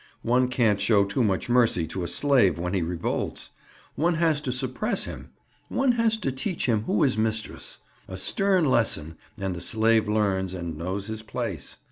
One can't show too much mercy to a "slave" when he revolts. One has to suppress him. One has to teach him who is mistress. A stern lesson, and the slave learns and knows his place.